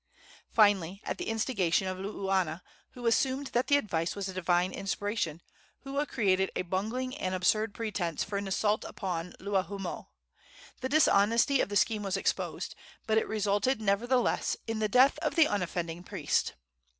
Finally, at the instigation of Luuana, who assumed that the advice was a divine inspiration, Hua created a bungling and absurd pretence for an assault upon Luahoomoe. The dishonesty of the scheme was exposed, but it resulted, nevertheless, in the death of the unoffending priest.